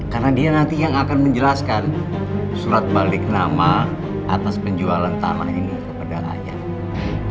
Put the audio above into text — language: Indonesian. karena dia nanti yang akan menjelaskan surat balik nama atas penjualan taman ini kepada ayah